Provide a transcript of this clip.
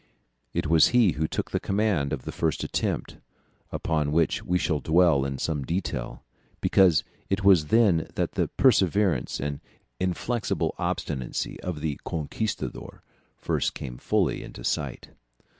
It was he who took the command of the first attempt, upon which we shall dwell in some detail, because it was then that the perseverance and inflexible obstinacy of the "conquistador" first came fully into sight.